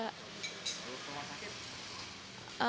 kalau kemas sakit